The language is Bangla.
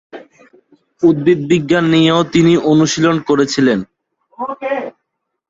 উদ্ভিদবিজ্ঞান নিয়েও তিনি অনুশীলন করেছিলেন।